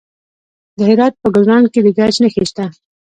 د هرات په ګلران کې د ګچ نښې شته.